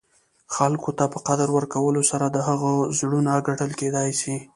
خلګو ته په قدر ورکولو سره، د هغه زړونه ګټل کېداى سي.